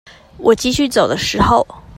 我繼續走的時候